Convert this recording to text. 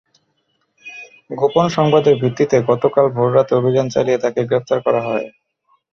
গোপন সংবাদের ভিত্তিতে গতকাল ভোররাতে অভিযান চালিয়ে তাঁকে গ্রেপ্তার করা হয়।